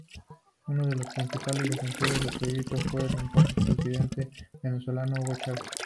Uno de los principales defensores del proyecto fue el entonces presidente venezolano Hugo Chávez.